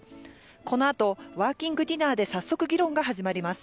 このあと、ワーキングディナーで早速、議論が始まります。